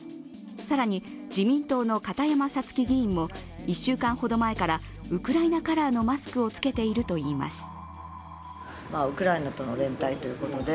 更に自民党の片山さつき議員も１週間ほど前からウクライナカラーのマスクをつけているといいます。